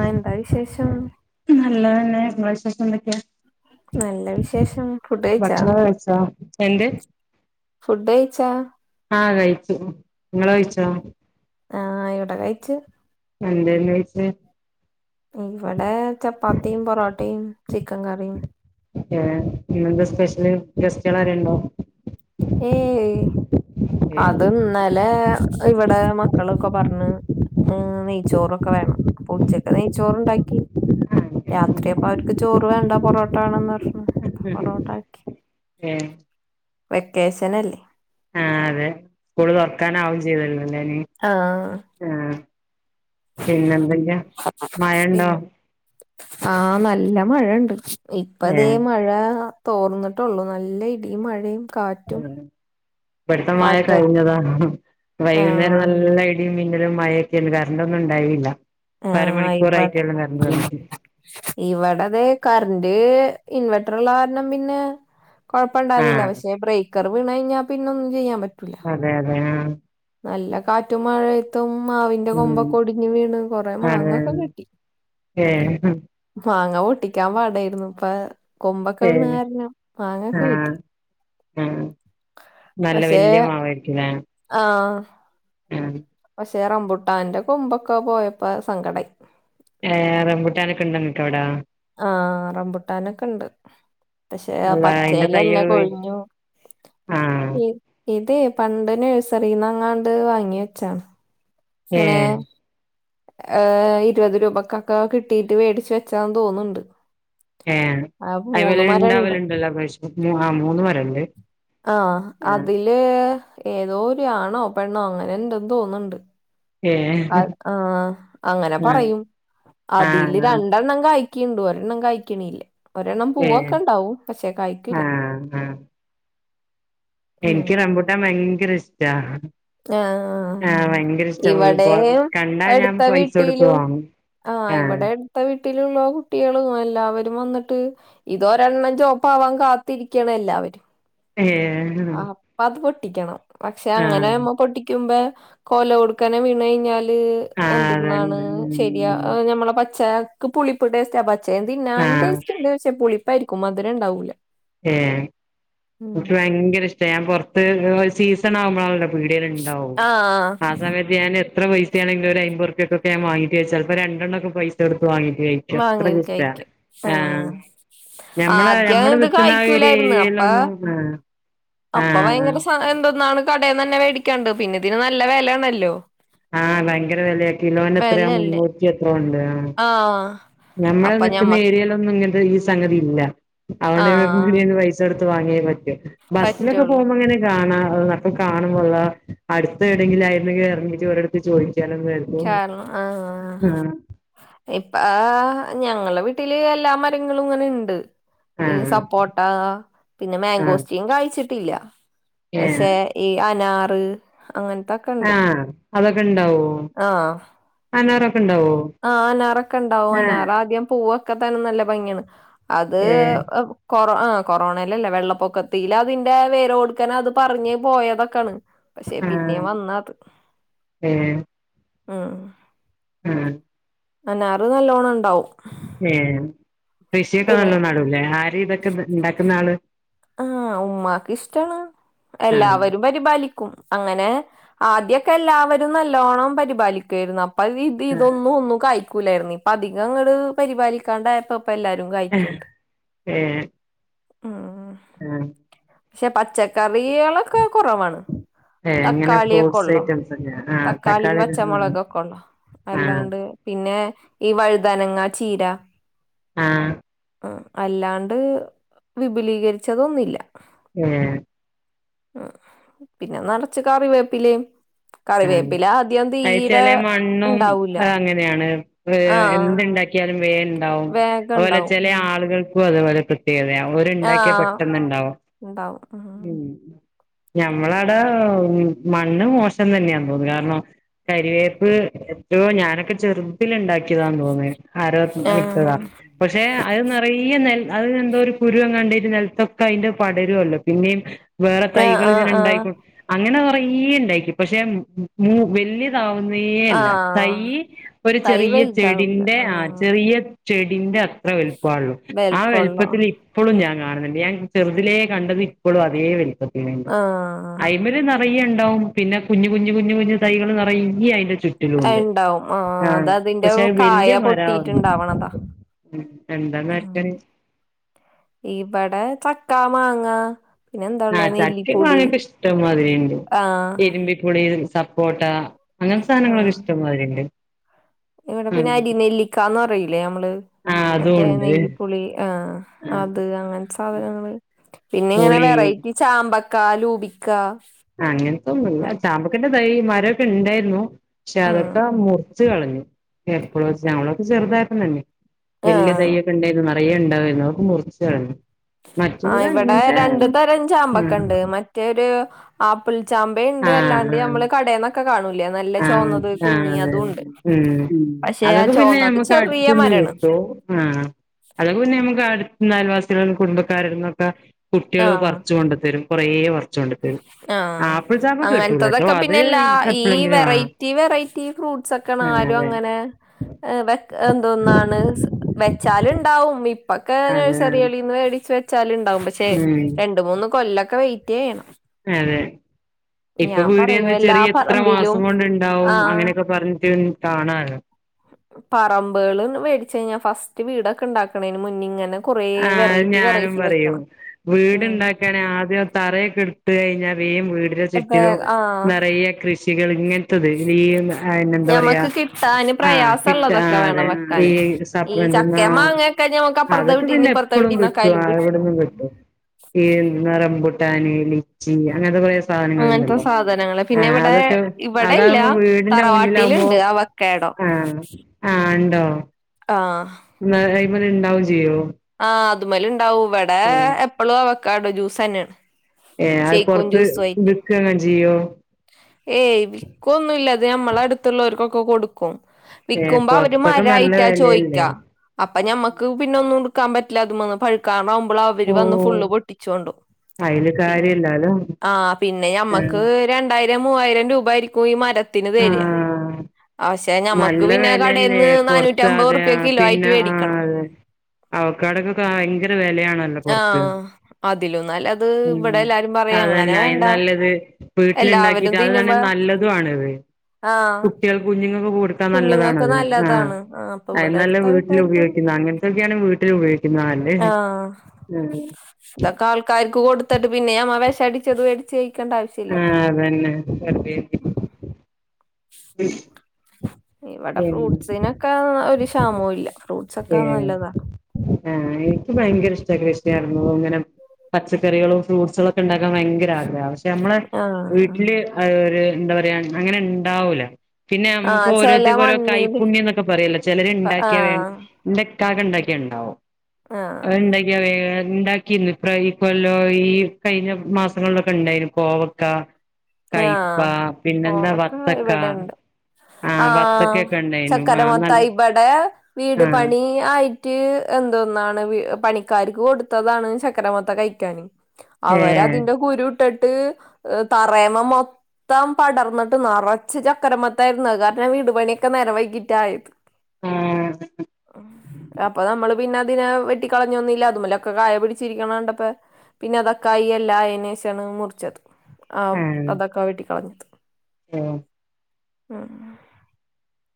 ആ എന്താവിശേഷം. നല്ലതുതന്നെ ഇങ്ങളെ വിശേഷം എന്തെക്കെയാ നല്ല വിശേഷം ഫുഡ്ഡ്കഴിച്ചാ. കഴിച്ചാ എന്തേ ഫുഡ്ഡ്കഴിച്ചാ ആ കഴിച്ചു നിങ്ങള് കഴിച്ചോ ആ ഇവിടെ കഴിച്ച്. എന്താണ് കഴിച്ചേ ഇവടെ ചപ്പാത്തിയും ബൊറോട്ടയും ചിക്കൻ കറിയും. ഏ ഇന്നെന്താ സ്പെഷ്യല് ഗസ്റ്റുകള് ആരെലൊണ്ടോ ഏയ് ഏഹ് അതിന്നലെ ഇവിടെ മക്കളൊക്കെ പറഞ്ഞ് ഉം നെയ്ച്ചോറൊക്കെ വേണം അപ്പൊ ഉച്ചക്ക് നെയ്ച്ചോറൊണ്ടാക്കി. രാത്രിയപ്പം അവർക്ക് ചോറുവേണ്ട ബൊറോട്ട വേണന്ന് പറഞ്ഞു ബൊറോട്ടയാക്കി. ഏ വെക്കേഷനല്ലേ. ആഹ് തെ. സ്കൂള് തൊർക്കാനാവും ചെയ്തല്ലോല്ലെ നി ആഹ്. ആഹ് പിന്നെന്തെക്കെ മഴണ്ടോ? പിന്നെ ആഹ് നല്ല മഴ ണ്ട്. ഇപ്പതേ ഏഹ് മഴാ തോർന്ന്ട്ടൊള്ളൂ. നല്ല ഇടിം, മഴേം, കാറ്റും. ഇവട്ത്തെ മഴ കാറ്റ കഴിഞ്ഞതാ. വൈകുന്നേരം ആഹ് നല്ല ഇ ടിം, മിന്നലും മഴൊക്കെനി. കര്ണ്ടൊന്നുണ്ടായില്ല. ഇപ്പര മണിക്കൂറായിട്ടേള്ളൂ കറണ്ട് വന്ന്ട്ട്. ഇവടെതെ കറ്ന്റ് ഇൻവേറ്റ്റ്ള്ള കാരണം പിന്നെ കൊഴപ്പണ്ടായിന്നില്ല. ആഹ് പക്ഷെ ബ്രേക്കറ് വീണ ഴിഞ്ഞാ പിന്നൊന്നും ചെയ്യാൻ പറ്റൂല്ല. അതെ യതെ ആഹ്. നല്ല കാറ്റും മഴയ ത്തും മാവിൻ്റെ ഉം കൊമ്പൊക്കൊ ഒടിഞ്ഞ് വീണ് കൊറെ അതെ മാങ്ങൊക്കെ കിട്ടി. ഏ മാങ്ങ പൊട്ടിക്കാൻ പാടായിരുന്നു. പ്പൊ കൊമ്പൊക്കെ വീണ കാരണം മാങ്ങൊക്കെ കിട്ടി. ഉം നല്ല പക്ഷേ വെല്യ മാവായിരിക്കുല്ലേ. ആഹ്. ഉം പക്ഷേ റംമ്പുട്ടാന്റെ കൊമ്പൊക്കെ പോയപ്പോ സങ്കടായി. ഏഹ് റംബുട്ടാനൊക്കെണ്ടൊ ങ്ങക്ക് വടാ? ആഹ് റംമ്പുട്ടാനൊക്കെണ്ട് പക്ഷെ ആ അള്ളാ അയിന്റെ പച്ചേലെന്നെ തയ്യൊക്കെ പോയി കൊഴിഞ്ഞു. ആഹ് ഉം ഇത് പണ്ട് നഴ്സറിന്നങ്ങാണ്ട് വാങ്ങി വെച്ചാണ്. ഏ എങ്ങനെ? ഏഹ് ഇരുപത് രൂപക്കൊക്കെ കിട്ടിട്ട് വേടിച്ച വെച്ചാന്ന് തോന്ന്ണ്ട്. ഏഹ് മരണ്ട് അയ്മല്ണ്ടാവല് ണ്ടല്ലാ പ്രാശ്യും മു ആ ഹ് മൂന്ന് മരണ്ട്. ആഹ് ആഹ് അതില് ഏതോ ഒരു ആണോ പെണ്ണോ അങ്ങനെ ണ്ടെന്ന് തോന്ന്ണ്ട്. ഏ അത് ആഹ് അങ്ങനെ ആഹ് പറയും ആഹ് അതില് ആഹ് രണ്ടെണ്ണം കായി ക്ക് ണ്ട് ഒരെണ്ണം കയ്ക്ക്ണില്ല ഒരെണ്ണം ഏ പൂവൊക്കെണ്ടാവും പക്ഷേ കായ്ക്ക്ല. ആഹ് ആഹ് എനിക്ക് റംമ്പൂട്ടാൻ ഭയങ്കരിഷ്ടാ. ആഹ് ഭയങ്കരിഷ്ട ഇപ്പോ ഇവിടെയും കണ്ടാ ഞാൻ അടുത്ത പൈസൊട്ത്ത് വീട്ടിലും വാങ്ങും. ആഹ് ഇവടെ അട്ത്ത വീട്ടില്ള്ള കുട്ട്യേള് എല്ലാവരും വന്ന്ട്ട് ഇതോരെണ്ണം ചോപ്പാവാൻ കാത്തിരിക്കാണ് എല്ലാവരും. ഏഹ്. അപ്പ അത് പൊട്ടിക്കണം പക്ഷെ അങ്ങനാവുമ്പം പൊട്ടിക്ക്യുമ്പ കൊലോട്ക്കനെ വീണഴിഞ്ഞാല് ആ എന്തെന്നാണ് അതന്നെ ശെര്യാ ഉം അത് ഞമ്മളെ പച്ചക്ക് പുളിപ്പ് ടേസ്റ്റാ പച്ചേം ആ തിന്നാൻ ടേസ് റ്റ്ണ്ട് പക്ഷേ പുളിപ്പായിരിക്കും മധുരംണ്ടാവൂല്ല. ഏഹ് ഇൻക്ക് ഭയങ്കരിഷ്ട ഞാൻ പൊർത്ത് എഹ് സീസണാവുമ്പളാണല്ലോ പിട്യേല്ണ്ടാവും ആഹ് ആ സമയ ത്ത് ഞാന് എത്ര പൈസെണെങ്കിലും ഒരയ്മ്പൊർപ്യ ക്കൊക്കെ ഞാ വാങ്ങിട്ട് ചെൽപ്പോ രണ്ടണ്ണൊക്കെ പൈ സൊട്ത്ത് വാങ്ങിട്ട് കഴിക്കും. വാങ്ങിയത് അത്രക്കുഷ്ട കഴിക്കും ആഹ് ഞമ്മളെ ആദ്യം ഞമ്മള് ഇത് ന് ക്ക്ണാ കായ്ക്കൂലായിരുന്നു എരേര്യേയിലൊന്നും ആഹ്. അപ്പ ഭയങ്കര സാ എന്തെന്നാണ് കടേന്നെന്നെ വേടിക്കാണ്ട് പിന്നെ തിന് നല്ല വെലേണല്ലോ. ആഹ് ഭയങ്കര വെലെ കിലോനെത്രയ വെലയല്ലേ മുന്നൂറ്റി എത്രോണ്ട്. ആഹ് ഞമ്മളെ അപ്പൊ നിക്ക്ന്ന ഞമ്മക്ക് ഏരിയേലൊന്നും ഇങ്ങൻത്തെ ഈ സംഗതി ല്ല അതൊണ്ട് ആഹ് ഇങ്ങക്ക് [unintelligible] പൈ സോട്ത്ത് വാങ്ങേലൊക്കെ ബസ്സിലൊക്കെ പറ്റുള്ളൂ പോവുമ്പങ്ങനെ കാണാ അപ്പോ കാണുമ്പൊള്ള അട്ത്ത് എവിടെങ്കിലായിരുന്നങ്കി എർങ്ങിട്ട് ഓരട്ത്ത് ചോയിക്കാലൊന്ന [unintelligible] ആഹ് ആഹ് ഇപ്പ ഞങ്ങളെ വീട്ട്ല് എല്ലാ മരങ്ങളും ഇങ്ങനെണ്ട് ഈ ആഹ് സപ്പോട്ട പിന്നെ ആഹ് മാങ്കോസ്റ്റിൻ കാഴിച്ചിട്ടില്ല ഏഹ് പക്ഷെ ഈ അനാറ് അങ്ങൻത്ത ആഹ് അതൊക്കെ ഇണ്ടാവോ? ആഹ് അനാറൊക്കെ ഇണ്ടാവോ ആഹ് അനാറൊക്കെ ഇണ്ടാവും ആഹ് അനാറ ആദ്യം പൂവ് ക്കത്താനും നല്ല ഭംഗിയാണ് അത് ഏഹ് കൊറോ ആ കൊറോണെലല്ല വെള്ളപ്പൊക്കത്തില് അതിന്റെ വേരോട്ക്കന്നെ അത് പറിഞ്ഞ് പോയതൊക്കാണ് പക്ഷെ ആഹ് പിന്നേം വന്നത് ഏഹ് ഉം ഉം ഉം അനാറ് നല്ലോണം ഇണ്ടാവും ഏഹ് കൃഷിക്കെ നല്ലോം ന്നടുല്ലേ ആര് ഇതൊക്കെ ഇണ്ടാക്ക്ന്ന ആള് ആഹ് ഉമ്മാക്ക് ഇഷ്ടാണ് ആഹ് എല്ലാവരും വെരുമ്പം അലിക്കും അങ്ങനെ ആദ്യൊക്കെ എല്ലാവരും നല്ലോണ്ണം പരിപാലിക്കുയായിരുന്നു അ [unintelligible] ഇത് ഇതൊന്നും ഒന്നും കയ്ക്കൂലായിരുന്നു ഇപ്പ അധികം അങ്ങട് പരിപാലിക്കാണ്ടായപ്പം പ്പ എല്ലാരും ആഹ് കഴിക്ക്ണ്ട് ഏഹ് ഉം ഉം [unintelligible] പക്ഷെ പച്ചക്കറി കളൊക്കെ കോറവാണ് ഏ അങ്ങനെ തക്കാളി ഒക്കെ ഫ്രൂട്ട്സ് ഒള്ളു ഐറ്റംസ് ഒക്കെ ആ തക്കാളി, പച്ചമുളക് ആ ഒക്കെ ഒള്ളു ആ അല്ലാണ്ട് പിന്നെ ഈ വഴുതനങ്ങ, ചീര ആഹ് അഹ് അല്ലാണ്ട് വിപുലീകരിച്ചതൊന്നുല്ല ഏഹ് ആഹ് പിന്നെ ന്നർച്ച് കറിവേപ്പിലേം ആഹ് അത് ചേലെ മണ്ണും ഉണ്ടാവൂല അത് അങ്ങനെണ് ആഹ് [unintelligible] ക്കിയാലും വേം ഇണ്ടാവും വേഗം അത് പോലെ ഉണ്ടാവും ചെലെ ഉം ആളുകൾക്കും അതു പോലെ [unintelligible] [unintelligible] ഓര് ഇണ്ടാക്ക്യ ആഹ് പെട്ടെന്ന് ഇണ്ടാവും ഉം ഞമ്മള അവ്ടെ മണ്ണ് മോശം തന്നെയാ തോന്നുന്നു കാരണം കരിവേപ്പ് എത്തോ ഞാനൊക്കെ ചെറുതില് ഇണ്ടാക്കിയതാന്ന് തോന്നെ ആരോ ആഹ് ഇട്ത്തതാ പക്ഷെ അത് നിറയെ നെൽ അത് എന്തോ ഒരു കുരു അങ്ങാണ്ടീറ്റ് നെൽത്തൊക്കെ അയ്ന്റെ പടരുല്ലോ പിന്നേം വേറെ ആഹ് തൈകള് ആഹ് ഇങ്ങനെ ആഹ് ഇണ്ടായിക്കൊ അങ്ങനെ കുറെ ഇണ്ടായിക്ക് പക്ഷെ മൂ വെല്യ താവുന്നേ അല്ല ആഹ് തൈയ്യ് ഒരു തൈ ചെറിയ വലുതാവൂല ചെടിന്റെ ആഹ് ചെറിയ ചെടിന്റെ അത്ര വെൽപ്പാ ഒള്ളൂ ആ വലുപ്പമുള്ള വെൽപ്പത്തില് ഇപ്പളും ഞാൻ കാണുന്നുണ്ട് ഞാൻ ചെറുതിലേ കണ്ടത് ഇപ്പളും അതേ വെൽപ്പത്തിലന്നെ ആഹ് അയ്മേല് ന റയ്യേ ഇണ്ടാവും പിന്നെ കുഞ്ഞു കുഞ്ഞു കുഞ്ഞു കുഞ്ഞു തൈകള് നിറയ്യേ അയിന്റെ ചു റ്റിലും ഉണ്ട് ഇണ്ടാവും ആഹ് അത് അതിന്റെ പക്ഷെ അത് കായ വെല്യ മരാവു [unintelligible] പൊട്ടിയിട്ടുണ്ടാവണതാ ഉം എന്താന്നാർക്കറിയ ഇബടെ ചക്ക, മാങ്ങ പിന്നെ എന്താ ഉള്ളെ ആഹ് ചക്കിം, നെല്ലിപ്പുളി മാങ്ങക്കെ ഇഷ്ടം മാതിരി ഇണ്ട് ആഹ് ഇരുമ്പിപുളി, സപ്പോട്ട അങ്ങൻത്തെ സാനങ്ങളൊക്കെ ഇഷ്ടം മായ്രി ഇണ്ട് ഇവടെ പിന്നെ അരി നെല്ലിക്കാന്ന് പറയൂലേ നമ്മള് ആഹ് മറ്റേ അതുണ്ട് നെല്ലിപ്പുളി ആഹ് ആഹ് അത് അങ്ങൻത്തെ സാധനങ്ങള് പിന്നെ ഇങ്ങനെ പുളി വെറൈറ്റി ചാമ്പക്ക ലൂബിക്ക അങ്ങനത്തൊന്നുല്ല ചാമ്പക്കേന്റെ തൈ മരഒക്കെ ഉണ്ടായിരുന്നു ക്ഷെ ഉം അതൊക്കെ മുറിച്ച് കളഞ്ഞു എപ്പളോ ച് ഞങ്ങളൊക്കെ ചെറുതായപ്പം തന്നെ വല്യ ആഹ് തൈയൊക്കെ ഉണ്ടായിരുന്നു നറയെ ഉണ്ടാവായിരുന്നു അതൊക്കെ മുറിച് കളഞ് ആഹ് ഇവിടെ രണ്ടു തരം ചാമ്പക്ക ഉം ഉണ്ട് മ റ്റേ ഒരു ആപ്പിൾ ചാമ്പ ഇണ്ട് അല്ലാണ്ട് ആഹ് ആഹ് ഞമ്മള് കടെന്ന ക്ക കാണൂലേ നല്ല ആഹ് ചോന്നത് ആഹ് അതെ കുഞ്ഞി അതെ അതുംഉണ്ട് ഉം പക്ഷെ ആ ചോന്നത് ചെറിയ മരാണ് നു ആഹ് അതൊക്കെ പിന്നെ നമക്ക് അടുതുന്നയൽവാസികളും കുടുംബക്കാര് അവിടുന്നൊക്കെ കുട്ടികള് ആഹ് പറിച്ച് കൊണ്ട് തരും കൊറേ പറിച്ച് കൊണ്ട് തരും ആഹ് ആപ്പിൾ ചാമ്പ കിട്ടൂലട്ടോ അങ്ങനത്തതൊക്കെ അത് പിന്നെല്ലാ ഈ എപ്പളെങ്കിലും ആ വെറൈറ്റി വെറൈറ്റി ഫ്രൂട്ടസ് ഒക്കെ ആഹ് നാരും അതെ അങ്ങനെ ഇഹ് വെക്ക് എന്തൂന്നാണ് വെച്ചാല് ഇണ്ടാവും പ്പക്കെ അതെ നേഴ്സറികളീന്ന് മേടിച്ച് വെച്ചാല് ഇണ്ടാവും പക്ഷെ ഉം രണ്ട് മൂന്ന് കൊല്ലക്ക വെയിറ്റ് യ്യണം അതെ ഇപ്പൊ പറയും പീടികെന്ന് എല്ലാ ചെറിയ എത്ര പറമ്പിലും മാസം കൊണ്ടുണ്ടാവും ആഹ് അങ്ങനെയൊക്കെ പറഞ്ഞിട്ട് കാണാലോ പറമ്പെള് വേടിച്ഴിഞ്ഞാൽ ഫസ്റ്റ് വീടൊക്കെ ഉണ്ടാക്കണെന് മുന്നെ ഇങ്ങനെ കൊറേ ആഹ് വെറൈറ്റി ഞാനും വെറൈറ്റി പറയും വെക്കണം ഉം വീടുണ്ടാക്കാൻ ആദ്യം തറയൊക്കെ എടു ത്ത് കഴിഞ്ഞാ വേം വീട് ഇപ്പ ചുറ്റിലും ആഹ് നിറയെ കൃഷികള് ഇങ്ങനത്തത് ഈ അയ്‌ന് എന്താ പറയാ ഞമ്മക്ക് കിട്ടാന് ആഹ് കിട്ടാ പ്രയാസള്ളതൊക്കെ അതെ വേണം ഈ വെക്കാന് ഈ സപ്പ് എന്തുന്നാ ചക്കേം മാങ്ങയൊക്കെ ഞമ്മക്ക് അത്‌ അപ്പുറത്തെ ഇപ്പ വീട്ടീന്ന് പിന്നെ ഇപ്പുറത്തെ എപ്പളും കിട്ടും വീട്ടീന്നൊക്കായാലും ആഹ് എവിടുന്നും കിട്ടും ഈ എന്തുന്നാ റംമ്പുട്ടാന് ലിച്ചി അങ്ങനത്തെ കൊറേ അങ്ങനത്തെ സാധനങ്ങളുണ്ടല്ലോ സാധനങ്ങള് പിന്നെ ആഹ് ഇവിടെ അതൊക്കെ ഇവിടെ ഇല്ല അതാകുമ്പോ വീടിന്റെ മുന്നിലാകുമ്പോ തറവാട്ടില്ണ്ട് അവ ക്യാടോ ആഹ് ആഹ് ഇണ്ടോ ആഹ് ന്ന അയ്മല് ണ്ടാവും ചെയ്യോ ആഹ അതുമ്മല് ണ്ടാവും ഇവിടെ ഏഹ് എപ്പളും അവയ്ക്കാടോ ജ്യൂസന്നെണ് ഏഹ അത് പൊർത്ത് വിൽക്കൊക്കെ ചെയ്യോ ഏയ് വിക്കൊന്നുല്ലത് നമ്മളട്ത്ത്ള്ളോര്ക്കൊക്കെ കൊടുക്കും ഏ വിക്കുമ്പോ അവര് പൊറത്തൊക്കെ നല്ല മരായിട്ടാ ചോയ്ക്ക വെലയല്ലേ അപ്പൊ ഞമ്മക്ക് പിന്നൊന്നുട്ക്കാൻ പറ്റില്ല അതമ്മന്ന് പഴുക്കാനാവുമ്പളവര് ഓ വന്ന് ഫുള്ള് പൊട്ടിച്ചൊണ്ടോവും അയില് പി കാര്യല്ലാലോ ആ ഹ പിന്നെ ഏ ഞമ്മക്ക് അത് രണ്ടായിരം മൂവായിരം രൂപയിര്ക്കും ഈ മരത്തിന് തെര ആഹ് അഹ പക്ഷെ ഞമ്മക്ക് നല്ല പിന്നെ വെലയല്ലേ കടേന്ന് പൊറത്ത് നാഞ്ഞൂറ്റമ്പത് അതെ റുപ്യ ആ ക്ക്കിലോ ആയിട്ട് പിന്നെ ആ വേടിക്കണം അതെ അവക്കാടൊക്കൊക്കെ ഭയങ്കര വെലയാണല്ലോ പൊറത്ത് ആഹ് അതിലും ന്നല്ലത് വടെ ഉം എല്ലാരും പറയും അങ്ങനെ അതന്നെ അയിന് വേണ്ട നല്ലത് എല്ലാവരും വീട്ടില്ണ്ടാക്കിട്ട് തിന്നുമ്പ അതാണെ നല്ലതു ആണത് ആഹ് കുട്ടികൾ കുഞ്ഞുങ്ങക്കൊക്കെ കൊടു ക്കാൻ കുഞ്ഞുങ്ങൾക്ക് നല്ലതാണത് ആഹ് നല്ലതാണ് അപ്പൊ ഇവിടെ അയ്ന്നല്ലത് അടുത്ത വീട്ടാർക്കും വീട്ടിലുപയോഗിക്കുന്ന അങ്ങൻത്തൊക്കെയാണ് വീട്ടിലുപയോഗിക്കു ക്കുന്ന ല്ലത് ആഹ് ഉം തൊക്കാൾക്കാര്ക്ക് കൊടുത്തട്ട് പിന്നെ ഞമ്മ വെശടിച്ചത് മേടിച്ച് കഴിക്കണ്ട ആവശ്യല്ലല്ലോ ആഹ് അതന്നെ വെറുതന്തി ഇവടെ പിന്നെ ഫ്രൂട്ട്സിനൊക്കെ ഒരു ക്ഷാമവുല്ല ഏഹ് ആ എനിക്ക് ഭയങ്കരഷ്ട [unintelligible] ഇങ്ങനെ പച്ചക്കറികളും ഫ്രൂട്സുളൊക്കെ ഇണ്ടാക്കാൻ ഭയങ്കര ആഗ്രഹ ഞമ്മള ആഹ് വീട്ടില് ആ ഒരു എന്താപറയാ അങ്ങനെണ്ടാവൂല പിന്നെ ആഹ് ചെല ഞമ്മക്കോരോര്ത്തര്ക്കോരോ മണ്ണില് കൈപ്പുണ്യംന്നൊക്കെ പറയോലോ ചെലര് ഇണ്ടാക്ക്യ വേ ആഹ് ഇന്റെക്കാക്ക ഇണ്ടാക്ക്യ ഇണ്ടാവും ആഹ് അവര്ണ്ടാ ണ്ടാക്ക്യ വേ ഇണ്ടാക്കീന്നു ഇപ്രാ ഇക്കൊല്ലോം ഈ കഴിഞ്ഞ മാസങ്ങളിലൊക്കെണ്ടായ്ന്നു കോവക്ക കയ്പ്പ ആഹ് പിന്നെന്താ കോവക്ക വത്തക്ക ഇവിടെണ്ട് ആഹ് വത്തക്കെക്കെണ്ടായ്ന്നു ആഹ് ന ഏഹ് വീട് പണി ആയിട്ട് എന്തോന്നാണ് പണിക്കാര്ക്ക് കൊടുത്തതാണ് ചക്കരമത്ത കഴിക്കാന് ഏഹ് അവരതിന്റെ കുരുട്ടിട്ട് തറേമ്മ മൊ ത്തം പടർന്നിട്ട് നറച്ച ചക്കരമത്തായിരുന്നു കാര്ണം വീട് പണിയൊക്കെ നേരം വഴ്കിട്ടായത് ആഹ് ഉം അപ്പൊ നമ്മള് പിന്നതിനെ വെട്ടി കളഞ്ഞൊന്നുല്ല അതുമ്മലൊക്കെ കായ പിടിച്ചിരിക്ക്ണ കണ്ടപ്പൊ പിന്നതൊക്കായി എല്ലായീനേഷാണ് മുറിച്ചത് ആഹ് അതൊക്കെ വെട്ടിക്കളഞ്ഞത് ഓഹ് ഉം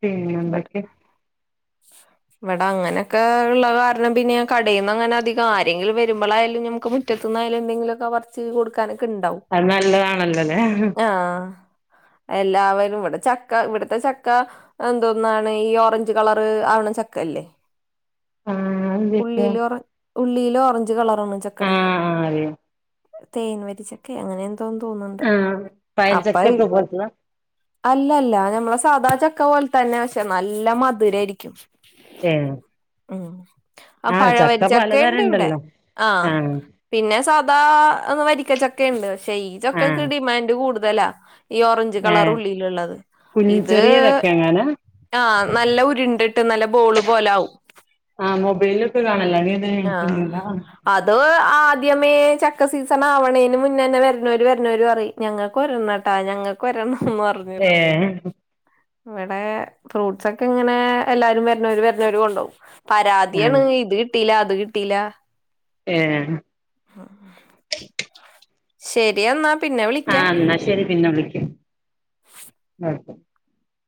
പിന്നെന്തൊക്കെ ഇവടങ്ങനെക്കെ ഇള്ള കാര്ണം പിന്നെ ഞാൻ കടീന്നങ്ങനധികം ആരെങ്കിലും വരുമ്പളായാലും ഞമക്ക്‌ മു റ്റത്തുന്നായാലും എന്തങ്കിലൊക്കെ പറിച്ച് കൊടുക്കാനൊക്കെണ്ടാവും അത് നല്ലതാണല്ലൊലെ ആഹ് എല്ലാവരും ഇവടെ ചക്ക ഇവ്ട്ത്തെ ചക്ക എന്തോന്നാണേ ഈ ഓറഞ്ച് കളറ് ആവ്ണ ചക്കല്ലേ ആഹ് അതെന്തൊക്കെയാ ഉള്ളീലോറ ഉള്ളീലോറ ഞ്ച് കളറാണ് ചക്കടേ ആഹ് ആഹ് അറിയാം തേൻ വരിച്ചക്കെ അങ്ങനെ ന്തോ തോന്ന്ണ്ട് ആഹ് അപ്പയ് പഴഞ്ചക്കക്കെ പോലത്തതാ അല്ലല്ല ഞമ്മളെ സാധ ചക്ക പോൽത്തന്നെ പക്ഷേ നല്ല മധുരായിര്ക്കും ഏഹ് ഉം ആ ആഹ് ചക്ക പലതരം പഴവരിച്ചക്കയ്ണ്ടിവിടെ ഉണ്ടല്ലോ ആഹ് പിന്നെ സാധാ ഒന്ന് വരിക്കച്ചക്കണ്ട് പക്ഷെ ഈ ചക്കക്ക് ആഹ് ഡിമാന്റ് കൂട്തലാ. ഈ ഓറഞ്ച് കളറ് ഏഹ് ഉള്ളിലിള്ളത് കുഞ്ഞ് ഇത് ചെറിയ ചക്ക എങ്ങാനാ ആഹ് നല്ല ഉരുണ്ടിട്ട് നല്ല ബോള് പോലാവും. ആഹ് മൊബൈലൊക്കെ കാണല്ലാന്. ആഹ്. അത് ആദ്യമേ ചക്ക സീസണാവണേന് മുന്നന്നെ വര്ണോര് വര്ണോര് പറീം ഞങ്ങക്കൊരെണ്ണട്ടാ ഞങ്ങക്ക് ഒരെണംന്ന് പർ ഏഹ്. ഇവടെ ഫ്രൂട്ട്സൊക്കെ ഇങ്ങനെ എല്ലാരും വര്ണോര് വര്ണോര് കൊണ്ടോവും. പരാതിയാണ് ആഹ് ഇത് കിട്ടീലാ അത് കിട്ടീലാ ഏഹ്. ആഹ്. ശെരിയെന്നാ പിന്നെ വിളിക്കാം. ഇന്നാ ശെരി പിന്നെ വിളിക്ക് ഉം